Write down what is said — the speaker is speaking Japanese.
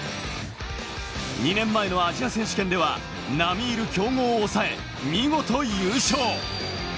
２年前のアジア選手権ではなみいる強豪を抑え見事優勝。